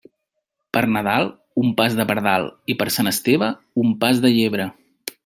Per Nadal, un pas de pardal, i per Sant Esteve, un pas de llebre.